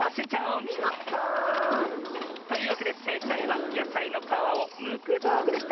おみごと！というわけでせいかいはやさいのかわをむくどうぐでした。